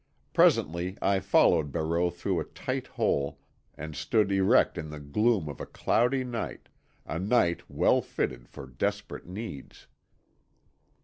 Presently I followed Barreau through a tight hole, and stood erect in the gloom of a cloudy night—a night well fitted for desperate deeds.